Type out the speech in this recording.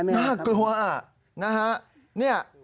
น่ากลัวนะฮะ